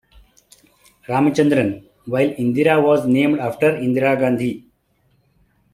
Ramachandran, while Indira was named after Indira Gandhi.